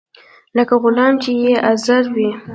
لکه غلام چې بې عذره وي.